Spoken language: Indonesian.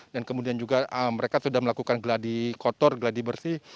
dan kemudian juga mereka sudah melakukan gladi kotor gladi bersih